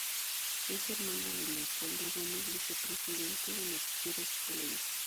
Es hermana de Leopoldo Gómez, vicepresidente de Noticieros de Televisa.